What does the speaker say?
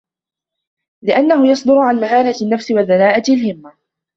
لِأَنَّهُ يَصْدُرُ عَنْ مَهَانَةِ النَّفْسِ وَدَنَاءَةِ الْهِمَّةِ